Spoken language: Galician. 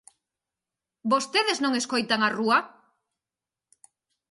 ¿Vostedes non escoitan a rúa?